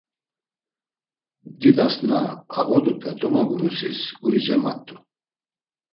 Didas na ağodupe domagurusis guri cemat̆u.